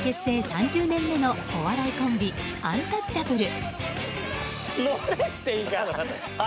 ３０年目のお笑いコンビ、アンタッチャブル。